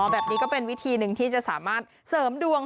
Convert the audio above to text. แบบนี้ก็เป็นวิธีหนึ่งที่จะสามารถเสริมดวง